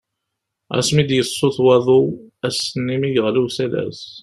Asmi i d-yessuḍ waḍu, ass-nni mi yeɣli usalas.